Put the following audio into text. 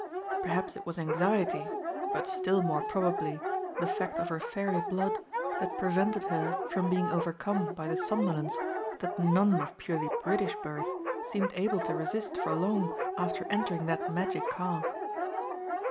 Perhaps it was anxiety, but still more probably the fact of her Fairy blood that prevented her from being overcome by the somnolence that none of purely British birth seemed able to resist for long after entering that magic car.